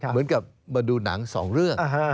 เหมือนกับมาดูหนังสองเรื่อง